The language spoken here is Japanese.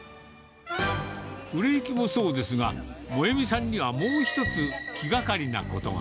売れ行きもそうですが、萌実さんにはもう一つ、気がかりなことが。